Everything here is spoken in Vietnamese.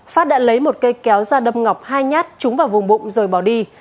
phát đã lấy một cây kéo ra đâm ngọc hai nhát trúng vào vùng bụng rồi bỏ đi